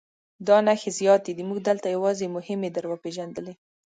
دا نښې زیاتې دي موږ دلته یوازې مهمې در وپېژندلې.